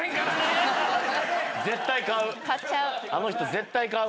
絶対買う。